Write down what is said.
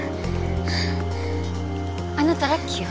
あなたラッキーよ